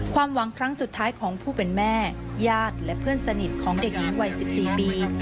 ความหวังครั้งสุดท้ายของผู้เป็นแม่ญาติและเพื่อนสนิทของเด็กหญิงวัย๑๔ปี